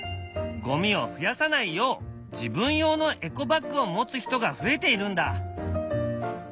ごみを増やさないよう自分用のエコバッグを持つ人が増えているんだ。